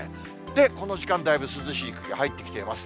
この時間、だいぶ涼しい空気入ってきています。